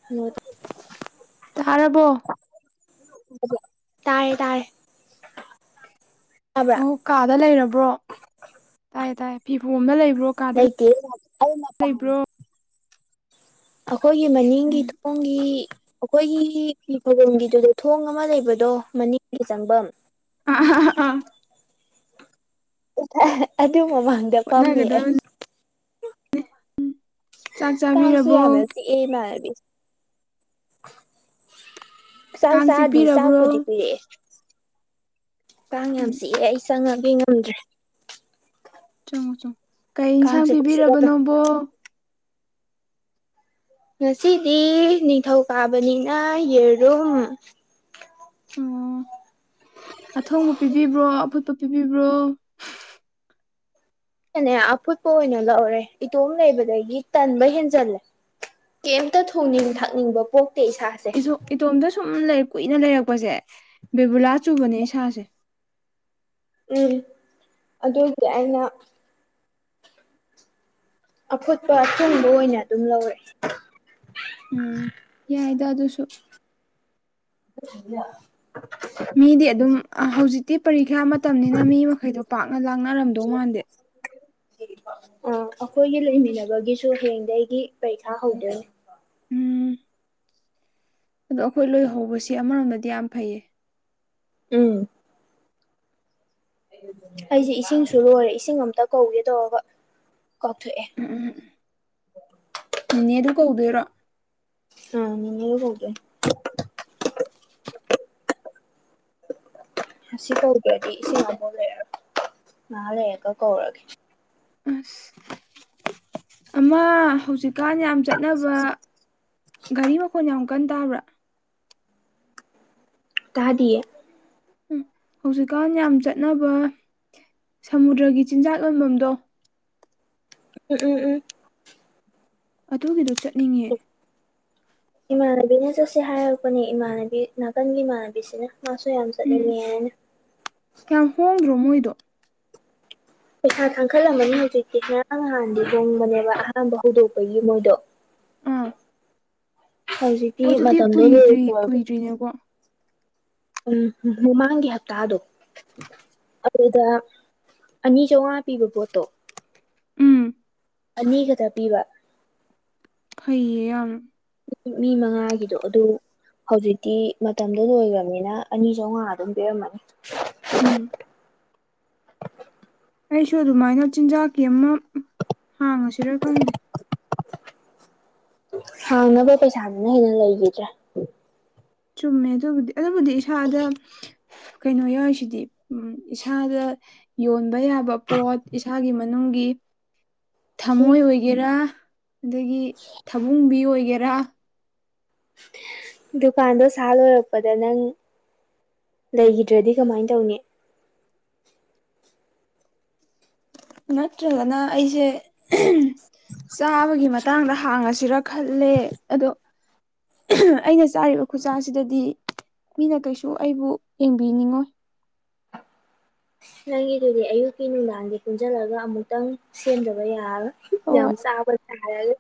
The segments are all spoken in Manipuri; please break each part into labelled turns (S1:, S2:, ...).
S1: [unintelligible]
S2: ꯇꯥꯔꯕꯣ
S1: ꯇꯥꯏꯌꯦ ꯇꯥꯏꯌꯦ ꯇꯥꯕ꯭ꯔꯥ
S2: ꯑꯣ ꯀꯥꯗ ꯂꯩꯔꯕ꯭ꯔꯣ ꯇꯥꯏꯌꯦ ꯇꯥꯏꯌꯦ ꯐꯤꯐꯧꯕꯝꯗ ꯂꯩꯕ꯭ꯔꯣ ꯀꯥꯗ
S1: ꯂꯩꯇꯦ ꯑꯩ ꯃꯄꯥꯟ
S2: ꯂꯩꯕ꯭ꯔꯣ
S1: ꯑꯩꯈꯣꯏꯒꯤ ꯃꯅꯤꯡꯒꯤ
S2: ꯎꯝ
S1: ꯊꯣ ꯊꯣꯡꯒꯤ ꯑꯩꯈꯣꯏꯒꯤ ꯐꯤ ꯐꯧꯕꯝꯒꯤꯗꯨꯗ ꯊꯣꯡ ꯑꯃ ꯂꯩꯕꯗꯣ ꯃꯅꯤꯡꯒꯤ ꯆꯪꯚꯝ
S2: ꯑꯥꯥ ꯑꯥꯍꯥ ꯑꯍꯥ ꯑꯥ
S1: ꯑꯗꯨ ꯃꯃꯥꯡꯗ ꯐꯝꯃꯤ ꯑꯩ
S2: ꯑꯦ ꯎꯝ
S1: ꯀꯥꯡ ꯁꯨ ꯌꯥꯝꯅ ꯆꯤꯛꯑꯦ ꯏꯃꯥꯟꯅꯕꯤ ꯆꯥꯛ
S2: ꯀꯥꯡ
S1: ꯆꯥꯗꯤ ꯆꯥꯛꯄꯨꯗꯤ
S2: ꯆꯤꯛꯄꯤꯔꯕ꯭ꯔꯣ
S1: ꯄꯤꯔꯛꯑꯦ ꯀꯥꯡ ꯌꯥꯝ
S2: ꯎꯝ
S1: ꯆꯤꯛꯑꯦ ꯑꯩ ꯆꯪꯉꯒꯦ ꯉꯝꯗ꯭ꯔꯦ
S2: ꯆꯪꯉꯣ ꯆꯪꯉꯣ ꯀꯩ ꯏꯟꯁꯥꯡ
S1: ꯀꯥꯡꯁꯦ ꯈꯨꯆꯤꯛ ꯑꯃ
S2: ꯄꯤꯕꯤꯔꯕꯅꯣꯕꯣ
S1: ꯉꯁꯤꯗꯤ ꯅꯤꯡꯊꯧ ꯀꯥꯕꯅꯤꯅ ꯌꯦꯔꯨꯝ
S2: ꯑꯣ ꯑꯊꯣꯡꯕ ꯄꯤꯕꯤꯕ꯭ꯔꯣ ꯑꯐꯨꯠꯄ ꯄꯤꯕꯤꯕ꯭ꯔꯣ
S1: ꯅꯦ ꯑꯐꯨꯠꯄ ꯑꯣꯏꯅ ꯂꯧꯔꯦ ꯏꯇꯣꯝ ꯂꯩꯕꯗꯒꯤ ꯇꯟꯕ ꯍꯦꯟꯖꯜꯂꯦ ꯀꯩꯝꯇ ꯊꯣꯡꯅꯤꯡ ꯊꯥꯛꯅꯤꯡꯕ ꯄꯣꯛꯇꯦ ꯏꯁꯥ
S2: ꯏꯖꯣ ꯏꯇꯣꯝꯇ ꯁꯨꯝ ꯂꯩ ꯀꯨꯏꯅ ꯂꯩꯔꯛꯄꯁꯦ ꯕꯤꯕꯨꯂꯥ ꯆꯨꯕꯅꯦ ꯏꯁꯥꯁꯦ
S1: ꯎꯝ ꯑꯗꯨꯕꯨꯗꯤ ꯑꯩꯅ ꯑꯐꯨꯠꯄ ꯑꯊꯣꯡꯕ ꯑꯣꯏꯅ ꯑꯗꯨꯝ ꯂꯧꯔꯦ
S2: ꯎꯝ ꯌꯥꯏꯗ ꯑꯗꯨꯁꯨ
S1: [unintelligible]
S2: ꯃꯤꯗꯤ ꯑꯗꯨꯝ ꯑ ꯍꯧꯖꯤꯛꯇꯤ ꯄꯔꯤꯈ꯭ꯌꯥ ꯃꯇꯝꯅꯤꯅ ꯃꯤ ꯃꯈꯩꯗꯣ ꯄꯥꯛꯅ ꯂꯥꯡꯅꯔꯝꯗꯧ ꯃꯥꯟꯗꯦ
S1: ꯑꯥ ꯑꯈꯣꯏꯒꯤ ꯂꯩꯃꯤꯟꯅꯕꯒꯤꯁꯨ ꯍꯌꯦꯡꯗꯩꯒꯤ ꯄꯔꯤꯈꯥ ꯍꯧꯗꯣꯏꯅꯦ
S2: ꯎꯝ ꯑꯗꯣ ꯑꯩꯈꯣꯏ ꯂꯣꯏ ꯍꯧꯕꯁꯤ ꯑꯃꯔꯣꯝꯗꯗꯤ ꯌꯥꯝ ꯐꯩꯌꯦ
S1: ꯎꯝ ꯑꯩꯖ ꯏꯁꯤꯡꯁꯨ ꯂꯣꯏꯔꯦ ꯏꯁꯤꯡ ꯑꯝꯇ ꯀꯧꯒꯦ ꯇꯧꯔꯒ ꯀꯥꯎꯊꯣꯛꯑꯦ
S2: ꯅꯦꯅꯦꯗꯨ ꯀꯧꯗꯣꯏꯔꯣ
S1: ꯑ ꯅꯦꯅꯦ ꯀꯧꯗꯣꯏꯅꯦ ꯑꯁꯤ ꯀꯧꯗ꯭ꯔꯗꯤ ꯏꯁꯤꯡ ꯑꯃꯕꯧ ꯂꯩꯔꯔꯣꯏ ꯉꯍꯥ ꯂꯩꯔꯒ ꯀꯧꯔꯒꯦ
S2: ꯑꯁ ꯑꯃ ꯍꯧꯖꯤꯛꯀꯥꯟ ꯌꯥꯝ ꯆꯠꯅꯕ ꯒꯥꯔꯤ ꯃꯈꯣꯟ ꯌꯥꯝ ꯀꯟ ꯇꯥꯕ꯭ꯔꯥ
S1: ꯇꯥꯗꯤꯌꯦ
S2: ꯎꯝ ꯍꯧꯖꯤꯛꯀꯥꯟ ꯌꯥꯝ ꯆꯠꯅꯕ ꯁꯃꯨꯗ꯭ꯔꯒꯤ ꯆꯤꯟꯖꯥꯛ ꯌꫭꯟꯕꯝꯗꯣ
S1: ꯎꯝ ꯎꯝ ꯎꯝ
S2: ꯑꯗꯨꯒꯤꯗꯣ ꯆꯠꯅꯤꯡꯉꯦ
S1: ꯏꯃꯥꯟꯅꯕꯤꯅ ꯆꯠꯁꯦ ꯍꯥꯏꯔꯛꯄꯅꯦ ꯏꯃꯥꯟꯅꯕꯤ ꯅꯥꯀꯟꯒꯤ ꯏꯃꯥꯟꯅꯕꯤꯁꯤꯅ ꯃꯥꯁꯨ ꯌꯥꯝ
S2: ꯎꯝ
S1: ꯆꯠꯅꯤꯡꯉꯦ ꯍꯥꯏꯅ
S2: ꯌꯥꯝ ꯍꯣꯡꯗ꯭ꯔꯣ ꯃꯣꯏꯗꯣ
S1: ꯄꯩꯁꯥ ꯊꯥꯡꯈꯠꯂꯝꯃꯅꯤ ꯍꯧꯖꯤꯛꯇꯤ ꯉꯔꯥꯡ ꯅꯍꯥꯟꯗꯤ ꯍꫭꯡꯕꯅꯦꯕ ꯑꯍꯥꯟꯕ ꯍꯧꯗꯣꯛꯄꯒꯤ ꯃꯣꯏꯗꯣ
S2: ꯑꯥ
S1: ꯍꯧꯖꯤꯛꯇꯤ ꯃꯇꯝꯗꫭ ꯂꫭꯏꯈꯔꯕꯅꯦ
S2: ꯗꯨꯏꯅꯦꯀꯣ
S1: ꯎꯝ ꯃꯃꯥꯡꯒꯤ ꯍꯞꯇꯥꯗꫭ ꯑꯗꯨꯗ ꯑꯅꯤ ꯆꯧꯉꯥ ꯄꯤꯕ ꯄꯣꯠꯇꯣ
S2: ꯎꯝ
S1: ꯑꯅꯤ ꯈꯛꯇ ꯄꯤꯕ
S2: ꯐꯩꯌꯦ ꯌꯥꯝ
S1: ꯃꯤ ꯃꯉꯥꯒꯤꯗꯣ ꯑꯗꯨ ꯍꯧꯖꯤꯛꯇꯤ ꯃꯇꯝꯗꯣ ꯂꯣꯏꯒꯔꯝꯅꯤꯅ ꯑꯅꯤ ꯆꯧꯉꯥ ꯑꯗꯨꯝ ꯄꯤꯔꯝꯃꯅꯤ
S2: ꯎꯝ ꯑꯩꯁꯨ ꯑꯗꯨꯃꯥꯏꯅ ꯆꯤꯟꯖꯥꯛꯀꯤ ꯑꯃ ꯍꯥꯡꯉꯁꯤꯔꯥ ꯈꯪꯗꯦ
S1: ꯍꯥꯡꯅꯕ ꯄꯩꯁꯥꯗꯨꯅ ꯍꯦꯟꯅ ꯂꯩꯒꯤꯗ꯭ꯔꯦ
S2: ꯆꯨꯝꯃꯦ ꯑꯗꯨꯕꯨꯗꯤ ꯑꯗꯨꯕꯨꯗꯤ ꯏꯁꯥꯗ ꯀꯩꯅꯣ ꯌꯥꯎꯁꯤꯗꯤ ꯎꯝ ꯏꯁꯥꯗ ꯌꯣꯟꯕ ꯌꯥꯕ ꯄꯣꯠ ꯏꯁꯥꯒꯤ ꯃꯅꯨꯡꯒꯤ
S1: ꯎꯝ
S2: ꯊꯝꯃꯣꯏ ꯑꯣꯏꯒꯦꯔꯥ ꯑꯗꯒꯤ ꯊꯕꯨꯡꯕꯤ ꯑꯣꯏꯒꯦꯔꯥ
S1: ꯗꯨꯀꯥꯟꯗꯣ ꯁꯥ ꯂꯣꯏꯔꯛꯄꯗ ꯅꯪ ꯂꯩꯒꯤꯗ꯭ꯔꯗꯤ ꯀꯃꯥꯏꯟ ꯇꯧꯅꯤ
S2: ꯅꯠꯇ꯭ꯔꯒꯅ ꯑꯩꯁꯦ ꯆꯥꯕꯒꯤ ꯃꯥ ꯇꯥꯡꯗ ꯍꯥꯡꯉꯁꯤꯔ ꯈꯜꯂꯦ ꯑꯗꯣ ꯑꯩꯅ ꯆꯥꯔꯤꯕ ꯈꯨꯠꯁꯥꯁꯤꯗꯗꯤ ꯃꯤꯅ ꯀꯩꯁꯨ ꯑꯩꯕꯨ ꯌꯦꯡꯕꯤꯅꯤꯡꯉꯣꯏ
S1: ꯅꯪꯒꯤꯗꯨꯗꯤ ꯑꯌꯨꯛꯀꯤ ꯅꯨꯡꯗꯥꯡꯗꯤ ꯄꯨꯟꯖꯜꯂꯒ ꯑꯃꯨꯛꯇꯪ ꯁꯦꯝꯗꯕ ꯌꯥꯔꯔꫭꯏ ꯌꯥꯝ
S2: ꯍꯣꯏ
S1: ꯆꯥꯕ ꯇꯥꯔꯅꯤ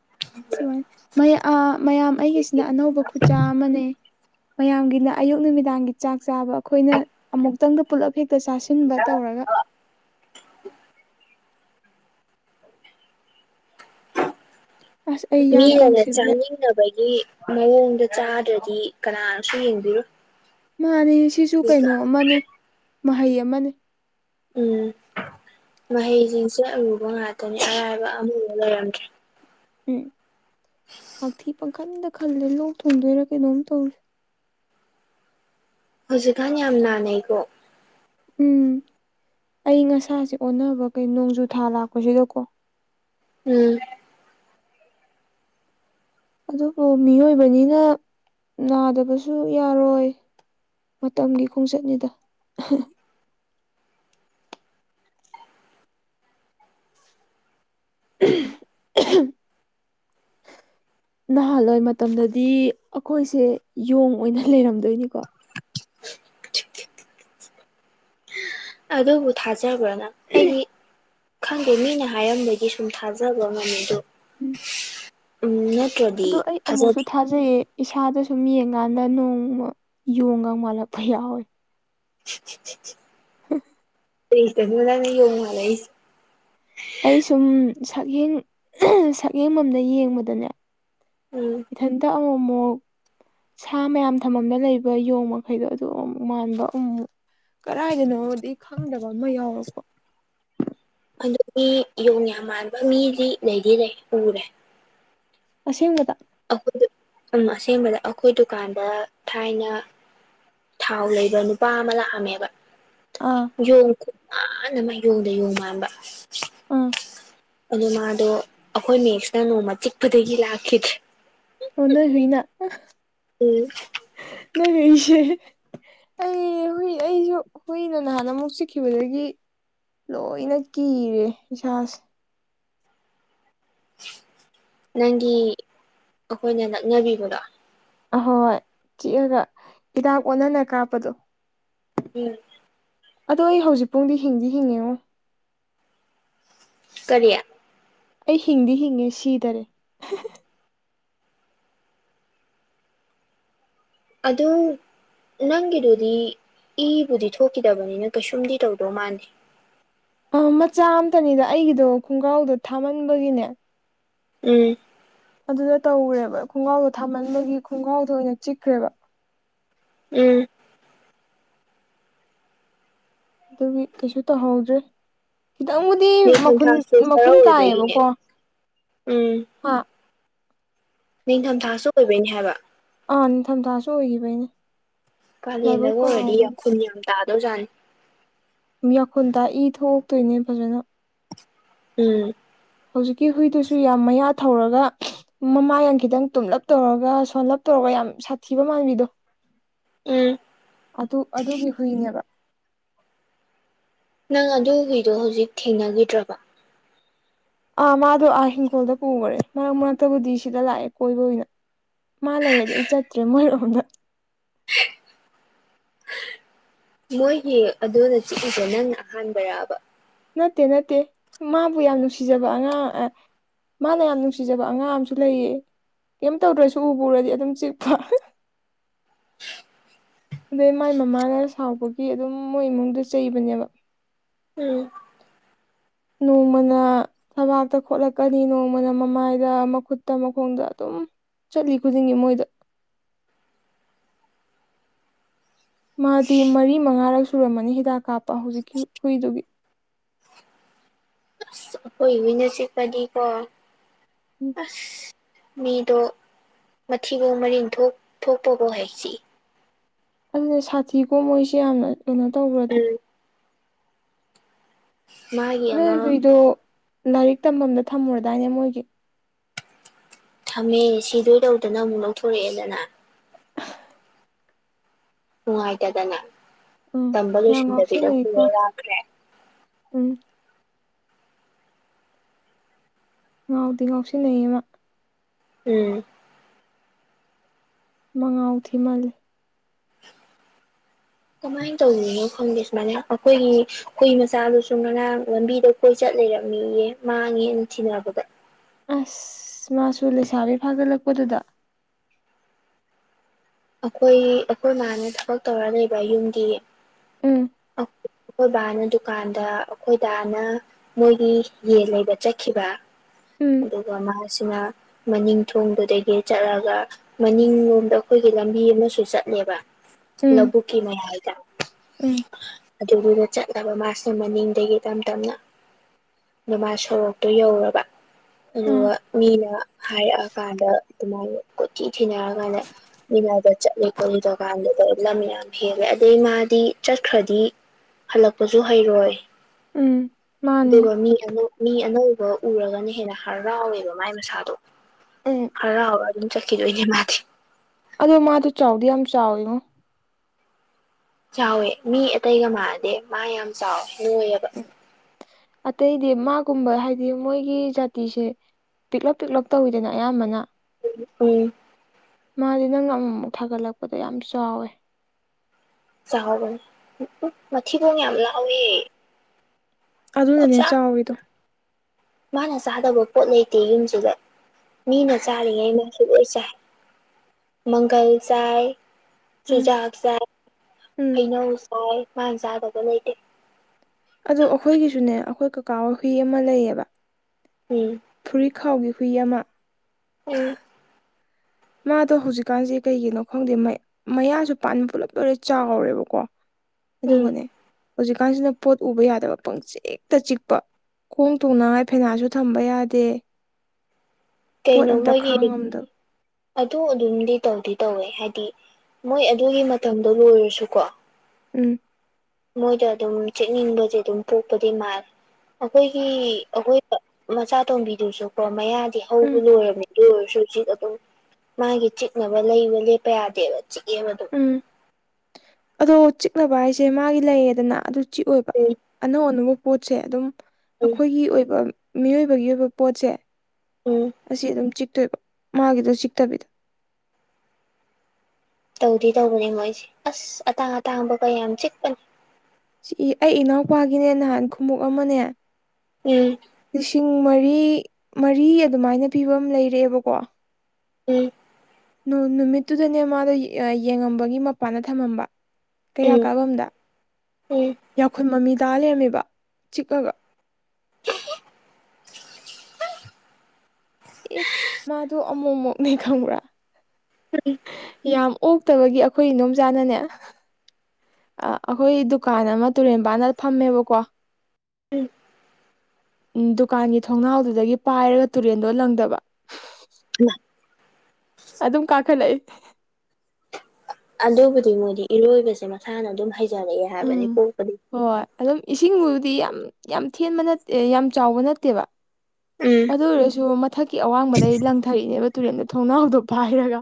S2: ꯁꯨꯃꯥꯏꯅ ꯃꯌꯥꯝ
S1: ꯍꯧꯖꯤꯛꯀꯤ
S2: ꯑꯩꯒꯤꯁꯤꯅ ꯑꯅꯧꯕ ꯈꯨꯠꯆꯥ ꯑꯃꯅꯦ ꯃꯌꯥꯝꯒꯤꯅ ꯑꯌꯨꯛ ꯅꯨꯃꯤꯗꯥꯡꯒꯤ ꯆꯥꯛ ꯆꯥꯕ ꯑꯩꯈꯣꯏꯅ ꯑꯃꯨꯛꯇꯪꯗ ꯄꯨꯜꯂꯞ ꯍꯦꯛꯇ ꯆꯥꯁꯤ ꯁꯤꯟꯕ ꯇꯧꯔꯒ ꯑꯁ ꯑꯩ ꯌꯥꯡ
S1: ꯃꯤꯅꯅꯦ
S2: ꯀꯪꯁꯤꯜꯂꯦ
S1: ꯆꯥꯅꯤꯡꯅꯕꯒꯤ ꯃꯑꯣꯡꯗ ꯆꯥꯗ꯭ꯔꯗꯤ ꯀꯅꯥꯅꯁꯨ ꯌꯦꯡꯕꯤꯔꫭꯏ
S2: ꯃꯥꯅꯤ ꯁꯤꯁꯨ ꯀꯩꯅꯣ ꯑꯃꯅꯤ ꯃꯍꯩ ꯑꯃꯅꯤ
S1: ꯎꯝ ꯃꯍꯩꯁꯤꯡꯁꯦ ꯑꯔꯨꯕ ꯉꯥꯛꯇꯅꯦ ꯑꯔꯥꯏꯕ ꯑꯃꯕꯨꯛ ꯂꯩꯔꯝꯗ꯭ꯔꯦ
S2: ꯎꯝ ꯍꯥꯛꯊꯤ ꯄꯪꯈꯟꯗ ꯈꯜꯂꯦ ꯂꯣꯛ ꯊꯨꯡꯗꯣꯏꯔꯥ ꯀꯩꯅꯣꯝ ꯇꯧꯔꯤ
S1: ꯍꯧꯖꯤꯛꯀꯥꯟ ꯌꯥꯝ ꯅꯥꯅꯩꯀꯣ
S2: ꯎꯝ ꯑꯏꯪ ꯑꯁꯥꯁꯦ ꯑꯣꯟꯅꯕ ꯀꯩ ꯅꯣꯡꯖꯨ ꯊꯥ ꯂꯥꯛꯄꯁꯤꯗꯀꯣ
S1: ꯎꯝ
S2: ꯑꯗꯨꯕꯨ ꯃꯤꯑꯣꯏꯕꯅꯤꯅ ꯅꯥꯗꯕꯁꯨ ꯌꯥꯔꯣꯏ ꯃꯇꯝꯒꯤ ꯈꯣꯡꯆꯠꯅꯤꯗ [inaudible] ꯅꯍꯥꯟꯂꫭꯏ ꯃꯇꯝꯗꯗꯤ ꯑꯩꯈꯣꯏꯁꯦ ꯌꯣꯡ ꯑꯣꯏꯅ ꯂꯩꯔꯝꯗꯣꯏꯅꯤꯀꯣ
S1: ꯑꯗꯨꯕꯨ ꯊꯥꯖꯕ꯭ꯔ ꯅꯪ ꯑꯩꯗꯤ ꯈꯪꯗꯦ ꯃꯤꯅ ꯍꯥꯏꯔꯝꯕꯒꯤ ꯁꯨꯝ ꯊꯥꯖꯕ ꯉꯝꯃꯦꯗꯣ
S2: ꯎꯝ
S1: ꯎꯝ
S2: ꯑꯗꯣ
S1: ꯅꯠꯇ꯭ꯔꯗꯤ
S2: ꯑꯩ ꯑꯃꯨꯛꯁꯨ
S1: ꯊꯥꯖꯗꯦ
S2: ꯊꯥꯖ ꯖꯩꯌꯦ ꯏꯁꯥꯗ ꯁꯨꯝ ꯌꯦꯡꯀꯥꯟꯗ ꯅꯣꯡꯃ ꯌꯣꯡꯒ ꯃꯥꯜꯂꯛꯄ ꯌꯥꯎꯋꯦ꯫
S1: ꯎ
S2: ꯍ
S1: [unintelligible] ꯅꯪꯅ ꯌꯣꯡ ꯃꯥꯜꯂꯛꯏꯁꯦ
S2: ꯑꯩ ꯁꯨꯝ ꯁꯛꯌꯦꯡ ꯁꯛꯌꯦꯡ ꯃꯝꯗ ꯌꯦꯡꯕꯗꯅꯦ
S1: ꯎꯝ
S2: ꯏꯊꯟꯇ ꯑꯃꯨꯛꯃꯨꯛ ꯁꯥ ꯃꯌꯥꯝ ꯊꯝꯕꯝꯗ ꯂꯩꯕ ꯌꯣꯡ ꯃꯈꯩꯗꯣ ꯑꯗꯨ ꯑꯃꯨꯛ ꯃꯥꯟꯕ ꯑꯃꯨꯛ ꯀꯔꯥꯏꯗꯅꯣꯗꯤ ꯈꯪꯗꯕ ꯑꯃ ꯌꯥꯎꯔꯄ
S1: ꯑꯗꯨꯗꯤ ꯌꯣꯡ ꯌꯥꯝ ꯃꯥꯟꯕ ꯃꯤꯗꯤ ꯂꯩꯗꯤ ꯂꯩ ꯎꯔꯦ
S2: ꯑꯁꯦꯡꯕꯗ
S1: ꯑꯩꯈꯣꯏ ꯎꯝ ꯑꯁꯦꯡꯕꯗ ꯑꯩꯈꯣꯏ ꯗꯨꯀꯥꯟꯗ ꯊꯥꯏꯅ ꯊꯥꯎ ꯂꯩꯕ ꯅꯨꯄꯥ ꯑꯃ ꯂꯥꯛꯑꯝꯃꯦꯕ꯫
S2: ꯑꯥ
S1: ꯌꯣꯡ ꯈꯨꯃꯃꯥꯟ ꯑꯃ ꯌꯣꯡꯗ ꯌꯣꯡ ꯃꯥꯟꯕ꯫
S2: ꯑ
S1: ꯑꯗꯨ ꯃꯥꯗꯣ ꯑꯩꯈꯣꯏ ꯃꯦꯛꯁꯅ ꯅꯣꯡꯃ ꯆꯤꯛꯄꯗꯒꯤ ꯂꯥꯛꯈꯤꯗ꯭ꯔꯦ꯫
S2: ꯑꯣ ꯅꯣꯏ ꯍꯨꯏꯅꯥ
S1: ꯎꯝ
S2: ꯅꯣꯏ ꯍꯨꯏꯁꯦ ꯑꯩ ꯍꯨꯏ ꯑꯩꯁꯨ ꯍꯨꯏꯅ ꯅꯍꯥꯟ ꯑꯃꯨꯛ ꯆꯤꯛꯈꯤꯕꯗꯒꯤ ꯂꯣꯏꯅ ꯀꯤꯔꯦ ꯏꯁꯥꯁꯦ꯫
S1: ꯅꯪꯒꯤ ꯑꯩꯈꯣꯏꯅ ꯂꯛꯅꯕꯤꯕꯗꯣ
S2: ꯑꯍꯣꯏ ꯆꯤꯛꯑꯒ ꯍꯤꯗꯥꯛ ꯑꯣꯟꯅꯅ ꯀꯥꯞꯄꯗꯣ꯫
S1: ꯎꯝ
S2: ꯑꯗꯣ ꯑꯩ ꯍꯧꯖꯤꯛ ꯄꯨꯡꯗꯤ ꯍꯤꯡꯗꯤ ꯍꯤꯡꯉꯦꯉꯣ
S1: ꯀꯔꯤ
S2: ꯑꯩ ꯍꯤꯡꯗꯤ ꯍꯤꯡꯉꯦ ꯁꯤꯗꯔꯦ꯫
S1: ꯑꯗꯨ ꯅꯪꯒꯤꯗꯨꯗꯤ ꯏꯕꯨꯗꯤ ꯊꯣꯛꯈꯤꯗꯕꯅꯤꯅ ꯀꯩꯁꯨꯝꯗꯤ ꯇꯧꯗꯧ ꯃꯥꯥꯟꯗꯦ꯫
S2: ꯑ ꯃꯆꯥ ꯑꯝꯇꯅꯤꯗ ꯑꯩꯒꯤꯗꯣ ꯈꯣꯡꯒ꯭ꯔꯥꯎꯗꯣ ꯊꯥꯃꯟꯕꯒꯤꯅꯦ
S1: ꯎꯝ
S2: ꯑꯗꯨꯗ ꯇꯧꯒ꯭ꯔꯦꯕ ꯈꯣꯡꯒ꯭ꯔꯥꯎꯗꯣ ꯊꯥꯃꯟꯕꯒꯤ ꯈꯣꯡꯒ꯭ꯔꯥꯎꯗ ꯑꯣꯏꯅ ꯆꯤꯛꯈ꯭ꯔꯦꯕ꯫
S1: ꯎꯝ
S2: ꯑꯗꯨꯒꯤ ꯀꯩꯁꯨ ꯇꯧꯍꯧꯗ꯭ꯔꯦ ꯈꯤꯇꯪꯕꯨ ꯗꯤ ꯃꯈꯨꯟ
S1: ꯅꯤꯡꯊꯝꯊꯥꯁꯨ ꯈꯔ
S2: ꯃꯈꯨꯟ
S1: ꯑꯣꯏꯕꯒꯤꯅꯦ
S2: ꯇꯥꯏꯌꯦꯕꯀꯣ
S1: ꯎꯝ
S2: ꯍꯥ
S1: ꯅꯤꯡꯊꯝꯊꯥꯁꯨ ꯑꯣꯏꯕꯩꯅꯦ ꯍꯥꯏꯕ
S2: ꯑ ꯅꯤꯡꯊꯝꯊꯥꯁꯨ ꯑꯣꯏꯈꯤꯕꯩꯅꯦ꯫ ꯂꯥꯏꯕꯛ
S1: ꯀꯥꯂꯦꯟꯗꯒ ꯑꯣꯏꯔꯗꯤ
S2: ꯐꯍꯧꯕꯅꯦ
S1: ꯌꯥꯈꯨꯟ ꯌꯥꯝ ꯇꯥꯗꯧꯖꯥꯠꯅꯤ꯫
S2: ꯃꯤ ꯌꯥꯡꯈꯨꯜ ꯇ ꯏ ꯊꯣꯛꯇꯨꯏꯅꯦ ꯐꯖꯟꯅ
S1: ꯎꯝ
S2: ꯍꯧꯖꯤꯛꯀꯤ ꯍꯨꯏꯗꯨꯁꯨ ꯌꯥꯝ ꯃꯌꯥ ꯊꯧꯔꯒ ꯃꯃꯥꯏꯅ ꯈꯤꯇꯪ ꯇꯨꯝꯂꯞ ꯇꯧꯔꯒ ꯁꯣꯂꯞ ꯇꯧꯔꯒ ꯌꯥꯝ ꯁꯥꯊꯤꯕ ꯃꯥꯟꯕꯤꯗꯣ꯫
S1: ꯎꯝ
S2: ꯑꯗꯨ ꯑꯗꯨꯒꯤ ꯍꯨꯏꯅꯦꯕ
S1: ꯅꯪ ꯑꯗꯨ ꯍꯨꯏꯗꯣ ꯍꯧꯖꯤꯛ ꯊꯦꯡꯅꯒꯤꯗ꯭ꯔꯕ
S2: ꯑꯥ ꯃꯥꯗꯣ ꯑꯥ ꯍꯤꯡꯈꯣꯜꯗ ꯄꯨꯒꯔꯦ ꯃꯔꯛ ꯃꯔꯛꯇꯕꯨꯗꯤ ꯁꯤꯗ ꯂꯥꯛꯑꯦ ꯀꯣꯏꯕ ꯑꯣꯏꯅ ꯃꯥ ꯂꯩꯔꯗꯤ ꯑꯩ ꯆꯠꯇ꯭ꯔꯦ ꯃꯣꯏ ꯔꯣꯝꯗ
S1: ꯍꯦ ꯃꯣꯏꯒꯤ ꯑꯗꯨꯅ ꯆꯤꯛꯏꯁꯦ ꯅꯪꯅ ꯑꯍꯥꯟꯕꯔꯕ
S2: ꯅꯠꯇꯦ ꯅꯠꯇꯦ ꯃꯥꯕꯨ ꯌꯥꯝ ꯅꯨꯡꯁꯤꯖꯕ ꯑꯉꯥꯡ ꯑ ꯃꯥꯅ ꯌꯥꯝ ꯅꯨꯡꯁꯤꯖꯕ ꯑꯉꯥꯡ ꯑꯃꯁꯨ ꯂꯩꯌꯦ ꯀꯩꯝ ꯇꯧꯗ꯭ꯔꯁꯨ ꯎꯕꯨ ꯎꯔꯗꯤ ꯑꯗꯨꯝ ꯆꯤꯛꯄ ꯑꯗꯩ ꯃꯥꯏ ꯃꯃꯥꯅ ꯁꯥꯎꯕꯒꯤ ꯑꯗꯨꯝ ꯃꯣꯏ ꯏꯃꯨꯡꯗꯣ ꯆꯩꯕꯅꯦꯕ
S1: ꯎꯝ
S2: ꯅꯣꯡꯃꯅ ꯊꯕꯥꯛꯇ ꯈꯣꯠꯂꯛꯀꯅꯤ ꯅꯣꯡꯃꯅ ꯃꯃꯥꯏꯗ ꯃꯈꯨꯠꯇ ꯃꯈꯣꯡꯗ ꯑꯗꯨꯝ ꯆꯠꯂꯤ ꯈꯨꯗꯤꯡꯒꯤ ꯃꯣꯏꯗ ꯃꯥꯗꯤ ꯃꯔꯤ ꯃꯉꯥꯔꯛ ꯁꯨꯔꯝꯃꯅꯤ ꯍꯤꯗꯥꯛ ꯀꯥꯞꯄ ꯍꯧꯖꯤꯛꯀꯤ ꯍꯨꯏꯗꯨꯒꯤ
S1: ꯑꯁ ꯑꯩꯈꯣꯏ ꯍꯨꯏꯅ ꯆꯤꯛꯄꯗꯤ ꯀꯣ ꯑꯁ ꯃꯤꯗꯣ ꯃꯊꯤꯕꯣꯡ ꯃꯔꯤꯟ ꯊꯣꯛ ꯊꯣꯛꯄꯕꯧ ꯍꯦꯛ ꯆꯤꯛꯏ
S2: ꯑꯗꯨꯅꯦ ꯁꯥꯊꯤꯀꯣ ꯃꯣꯏꯁꯦ ꯌꯥꯝꯅ ꯀꯩꯅꯣ ꯇꯧꯕꯔꯗꯨ
S1: ꯎꯝ ꯃꯥꯒꯤ
S2: ꯅꯣꯏ
S1: ꯑꯃ
S2: ꯍꯨꯏꯗꯣ ꯂꯥꯏꯔꯤꯛ ꯇꯝꯐꯝꯗ ꯊꯝꯃꯨꯔꯗꯥꯏꯅꯦ ꯃꯣꯏꯒꯤ
S1: ꯊꯝꯃꯦ ꯁꯤꯗꯣꯏ ꯇꯧꯗꯅ ꯑꯃꯨꯛ ꯂꯧꯊꯣꯔꯛꯑꯦꯗꯅ ꯅꯨꯡꯉꯥꯏꯇꯗꯅ
S2: ꯎꯝ
S1: ꯇꯝꯕ
S2: ꯌꯥꯝ
S1: ꯂꯣꯏꯁꯤꯟꯗꯕꯤꯗ
S2: ꯉꯥꯎꯁꯤꯟꯅꯩꯀꯣ
S1: ꯄꯨꯔ ꯂꯥꯛꯈ꯭ꯔꯦ
S2: ꯎꯝ ꯉꯥꯎꯗꯤ ꯉꯥꯎꯁꯤꯟꯅꯦꯌꯦ ꯃꯥ
S1: ꯎꯝ
S2: ꯃꯉꯥꯎ ꯊꯤ ꯃꯜꯂꯤ
S1: ꯀꯃꯥꯏꯅ ꯇꯧꯔꯤꯅꯣ ꯈꯪꯗꯦ ꯁꯨꯃꯥꯏꯅ ꯑꯩꯈꯣꯏꯒꯤ ꯍꯨꯏ ꯃꯆꯥꯗꯨꯁꯨ ꯉꯔꯥꯡ ꯂꯝꯕꯤꯗ ꯀꯣꯏ ꯆꯠ ꯂꯩꯔꯝꯃꯦꯌꯦ ꯃꯥꯡꯉꯦꯅ ꯊꯤꯅꯕꯗ
S2: ꯑꯁ ꯃꯥꯁꯨ ꯂꯩꯁꯥꯕꯤ ꯐꯥꯒꯠꯂꯛꯄꯗꯨꯗ
S1: ꯑꯩꯈꯣꯏ ꯑꯩꯈꯣꯏ ꯃꯥꯅ ꯊꯕꯛ ꯇꯧꯔ ꯂꯩꯕ ꯌꯨꯝꯗꯤ
S2: ꯎꯝ
S1: ꯑꯩꯈꯣꯏ ꯕꯥꯅ ꯗꯨꯀꯥꯟꯗ ꯑꯩꯈꯣꯏ ꯗꯥꯅ ꯃꯣꯏꯒꯤ ꯌꯦꯟ ꯂꯩꯕ ꯆꯠꯈꯤꯕ
S2: ꯎꯝ
S1: ꯑꯗꯨꯒ ꯃꯥꯁꯤꯅ ꯃꯅꯤꯡ ꯊꯣꯡꯗꯨꯗꯒꯤ ꯆꯠꯂꯒ ꯃꯅꯤꯡ ꯂꯣꯝꯗ ꯑꯩꯈꯣꯏꯒꯤ ꯂꯝꯕꯤ ꯑꯃꯁꯨ ꯆꯠꯂꯦꯕ
S2: ꯎꯝ
S1: ꯂꯧꯕꯨꯛꯀꯤ ꯃꯌꯥꯏꯗ
S2: ꯎꯝ
S1: ꯑꯗꯨꯒꯤꯅ ꯆꯠꯂꯕ ꯃꯥꯁꯨ ꯃꯅꯤꯡꯗꯒꯤ ꯇꯞ ꯇꯞꯅ ꯅ ꯃꯥ ꯁꯣꯔꯣꯛꯇꯣ ꯌꯧꯔꯕ
S2: ꯑꯥ
S1: ꯑꯗꯨꯒ ꯃꯤꯅ ꯍꯥꯏꯔꯛꯑꯀꯥꯟꯗ ꯑꯗꯨꯃꯥꯏꯅ ꯀꯣꯏꯊꯤ ꯊꯤꯅꯔꯀꯥꯟꯗ ꯃꯤꯅꯥ ꯑꯗ ꯆꯠꯂꯤ ꯈꯣꯠꯂꯤ ꯇꯧꯀꯟꯗꯨꯗꯥ ꯂꯥꯃꯌ꯭ꯥꯝ ꯍꯦꯂꯦ ꯑꯗꯦ ꯃꯗꯤ ꯆꯠꯈꯔꯗꯤ ꯍꯜꯂꯛꯄꯁꯨ ꯍꯩꯔꯣꯏ
S2: ꯎꯝ ꯃꯥꯅꯦ
S1: ꯑꯗꯨꯒ ꯃꯤ ꯑꯃꯨꯛ ꯃꯤ ꯑꯅꯧꯕ ꯎꯔꯒꯅ ꯍꯦꯟꯅ ꯍꯔꯥꯎꯋꯦꯕ ꯃꯥꯏ ꯃꯁꯥꯗꯣ
S2: ꯎꯝ
S1: ꯍꯔꯥꯎꯔꯥ ꯑꯗꯨꯝ ꯆꯠꯈꯤꯗꯣꯏꯅꯦ ꯃꯥꯗꯤ
S2: ꯑꯗꯣ ꯃꯥꯗꯣ ꯆꯥꯎꯗꯤ ꯌꯥꯝ ꯆꯥꯎꯋꯦꯉꯣ
S1: ꯆꯥꯎꯋꯦ ꯃꯤ ꯑꯇꯩꯒ ꯃꯥꯥꯟꯅꯗꯦ ꯃꯥ ꯌꯥꯝ ꯆꯥꯎꯋꯦ ꯅꯣꯏꯋꯦꯕ
S2: ꯎꯝ ꯑꯇꯩꯗꯤ ꯃꯥꯒꯨꯝꯕ ꯍꯥꯏꯗꯤ ꯃꯣꯏꯒꯤ ꯖꯥꯇꯤꯁꯦ ꯄꯤꯛꯂꯞ ꯄꯤꯛꯂꯞ ꯇꯧꯋꯤꯗꯅ ꯑꯌꯥꯝꯕꯅ
S1: ꯎꯝ
S2: ꯃꯥꯗꯤ ꯅꯪ ꯑꯃꯨꯛꯃꯨꯛ ꯊꯥꯒꯠꯂꯛꯄꯗ ꯌꯥꯝ ꯆꯥꯎꯋꯦ
S1: ꯆꯥꯎꯕꯅꯦ ꯃꯊꯤꯕꯣꯡ ꯌꯥꯝ ꯂꯥꯎꯋꯦ
S2: ꯑꯗꯨꯅꯅꯦ
S1: ꯈꯨꯠꯆꯥ
S2: ꯆꯥꯎꯋꯤꯗꯣ
S1: ꯃꯥꯅ ꯆꯥꯗꯕ ꯄꯣꯠ ꯂꯩꯇꯦ ꯌꯨꯝꯁꯤꯗ ꯃꯤꯅ ꯆꯥꯔꯤꯉꯩ ꯃꯥꯁꯨ ꯂꯣꯏ ꯆꯥꯏ ꯃꯪꯒꯜ ꯆꯥꯏ
S2: ꯎꯝ
S1: ꯆꯨꯖꯥꯛ ꯆꯥꯏ
S2: ꯎꯝ
S1: ꯍꯩꯅꯧ ꯆꯥꯏ ꯃꯥꯟ ꯆꯥꯗꯕ ꯂꯩꯇꯦ
S2: ꯑꯗꯣ ꯑꯩꯈꯣꯏꯒꯤꯁꯨꯅꯦ ꯑꯩꯈꯣꯏ ꯀꯥꯀꯥ ꯍꯣꯏ ꯍꯨꯏ ꯑꯃ ꯂꯩꯌꯦꯕ
S1: ꯎꯝ
S2: ꯐꯨꯔꯤꯠ ꯈꯥꯎꯒꯤ ꯍꯨꯏ ꯑꯃ
S1: ꯎꯝ
S2: ꯃꯥꯗꯣ ꯍꯧꯖꯤꯛꯀꯥꯟꯖꯦ ꯀꯩꯒꯤꯅꯣ ꯈꯪꯗꯦ ꯃ ꯃꯌꯥꯖꯦ ꯄꯥꯟꯕ ꯄꯨꯂꯞ ꯂꯣꯏꯔꯦ ꯆꯥꯎꯔꯦꯕꯀꯣ
S1: ꯎꯝ
S2: ꯑꯗꯨꯒꯅꯦ ꯍꯧꯖꯤꯛꯀꯥꯟꯁꯤꯅ ꯄꯣꯠ ꯎꯕ ꯌꯥꯗꯕ ꯄꯪꯆꯤꯛꯇ ꯆꯤꯛꯄ ꯈꯣꯡ ꯇꯣꯡꯅꯉꯥꯏ ꯐꯦꯅꯥꯠꯁꯨ ꯊꯝꯕ ꯌꯥꯗꯦ ꯄꯣꯠ
S1: ꯀꯩꯅꯣ
S2: ꯑꯝꯇ
S1: ꯃꯣꯏꯒꯤ
S2: ꯈꯥꯡ ꯉꯝꯗꯕ
S1: ꯑꯗꯨ ꯑꯗꯨꯝꯗꯤ ꯇꯧꯗꯤ ꯇꯧꯋꯦ ꯍꯥꯏꯗꯤ ꯃꯣꯏ ꯑꯗꯨꯒꯤ ꯃꯇꯝꯗꯣ ꯂꯣꯏꯔꯁꯨꯀꯣ
S2: ꯎꯝ
S1: ꯃꯣꯏꯗ ꯑꯗꯨꯝ ꯆꯤꯛꯅꯤꯡꯕꯖꯦ ꯑꯗꯨꯝ ꯄꯣꯛꯄꯗꯤ ꯃꯥꯜꯂꯦ ꯑꯩꯈꯣꯏꯒꯤ ꯑꯩꯈꯣꯏ ꯃꯆꯥꯇꯣꯝꯕꯤꯗꯨꯁꯨꯀꯣ ꯃꯌꯥꯗꯤ ꯍꯧꯕ
S2: ꯎꯝ
S1: ꯂꯣꯏꯔꯕꯅꯦ ꯑꯗꯨ ꯑꯣꯏꯔꯁꯨ ꯆꯤꯛ ꯑꯗꯨꯝ ꯃꯥꯒꯤ ꯆꯤꯛꯅꯕ ꯂꯩꯕ ꯂꯦꯞꯄ ꯌꯥꯗꯦꯕ ꯆꯤꯛꯑꯦꯕ ꯑꯗꯨꯝ
S2: ꯎꯝ ꯑꯗꯣ ꯆꯤꯛꯅꯕ ꯍꯥꯏꯁꯦ ꯃꯥꯒꯤ ꯂꯩꯔꯦꯗꯅ ꯑꯗꯨ ꯆꯤꯛ ꯑꯣꯏꯕ
S1: ꯎꯝ
S2: ꯑꯅꯧ ꯑꯅꯧꯕ ꯄꯣꯠꯁꯦ ꯑꯗꯨꯝ
S1: ꯎꯝ
S2: ꯑꯩꯈꯣꯏꯒꯤ ꯑꯣꯏꯕ ꯃꯤꯑꯣꯏꯕꯒꯤ ꯑꯣꯏꯕ ꯄꯣꯠꯁꯦ
S1: ꯎꯝ
S2: ꯑꯁꯤ ꯑꯗꯨꯝ ꯆꯤꯛꯇꯣꯏꯕ ꯃꯥꯒꯤꯗ ꯆꯤꯛꯇꯕꯤꯗ
S1: ꯇꯧꯗꯤ ꯇꯧꯕꯅꯦ ꯃꯣꯏꯖꯦ ꯑꯁ ꯑꯇꯥꯡ ꯑꯇꯥꯡꯕꯒ ꯌꯥꯝ ꯆꯤꯛꯄꯅꯤ
S2: ꯆꯤꯛꯢ ꯑꯩ ꯏꯅꯥꯎꯄꯥꯒꯤꯅꯦ ꯅꯍꯥꯟ ꯈꯨꯃꯨꯛ ꯑꯃꯅꯦ
S1: ꯎꯝ
S2: ꯂꯤꯁꯤꯡ ꯃꯔꯤ ꯃꯔꯤ ꯑꯗꯨꯃꯥꯏꯅ ꯄꯤꯕ ꯑꯝ ꯂꯩꯔꯛꯑꯦꯕꯀꯣ
S1: ꯎꯝ
S2: ꯅꯨ ꯅꯨꯃꯤꯠꯇꯨꯗꯅꯦ ꯃꯥꯗꯣ ꯌꯦꯡꯉꯝꯕꯒꯤ ꯃꯄꯥꯟꯗ ꯊꯥꯃꯝꯕ ꯀꯩꯔꯥꯛ
S1: ꯎꯝ
S2: ꯀꯥꯕꯝꯗ
S1: ꯎꯝ
S2: ꯌꯥꯈꯨꯨꯟ ꯃꯃꯤ ꯇꯥ ꯂꯩꯔꯝꯃꯦꯕ ꯆꯤꯛꯑꯒ ꯑꯦ ꯃꯥꯗꯣ ꯑꯃꯨꯛꯃꯨꯛꯅꯦ ꯈꯪꯕ꯭ꯔꯥ
S1: ꯎꯝ
S2: ꯌꯥꯝ ꯑꯣꯛꯇꯕꯒꯤ ꯑꯩꯈꯣꯏ ꯏꯗꯣꯝꯆꯥꯅꯅꯦ ꯑꯥ ꯑꯩꯈꯣꯏ ꯗꯨꯀꯥꯟ ꯑꯃ ꯇꯨꯔꯦꯟꯄꯥꯥꯟꯗ ꯐꯝꯃꯦꯕꯀꯣ
S1: ꯎꯝ
S2: ꯎꯝ ꯗꯨꯀꯥꯟꯒꯤ ꯊꯣꯡꯅꯥꯎꯗꯨꯗꯒꯤ ꯄꯥꯏꯔꯒ ꯇꯨꯔꯦꯟꯗ ꯂꯪꯗꯕ
S1: [inaudible]
S2: ꯑꯗꯨꯝ ꯀꯥꯈꯠꯂꯛꯏ
S1: ꯑꯗꯨꯕꯨꯗꯤ ꯃꯣꯏꯗꯤ ꯏꯔꯣꯏꯕꯖꯦ ꯃꯁꯥꯅ ꯑꯗꯨꯝ ꯍꯩꯖꯔꯛꯑꯦ ꯍꯥꯏꯕꯅꯤ
S2: ꯎꯝ
S1: ꯄꯣꯛꯄꯗꯩ
S2: ꯍꯣꯏ ꯑꯗꯨꯝ ꯏꯁꯤꯡꯕꯨꯗꯤ ꯌꯥꯝ ꯌꯥꯝ ꯊꯦꯟꯕ ꯅꯠ ꯌꯥꯝ ꯆꯥꯎꯕ ꯅꯠꯇꯦꯕ
S1: ꯎꯝ
S2: ꯑꯗꯨ ꯑꯣꯏꯔꯁꯨ ꯃꯊꯛꯀꯤ ꯑꯋꯥꯡꯕꯗꯩ ꯂꯪꯊꯩꯅꯦꯕ ꯇꯨꯔꯦꯟꯗ ꯊꯣꯡꯅꯥꯎꯗꯣ ꯄꯥꯏꯔꯒ